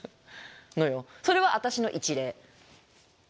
それは私の一例。